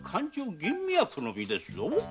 吟味役の身ですぞ。